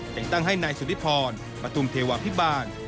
จัดตั้งให้นายสุธิพรประทุมเทวาพิบาล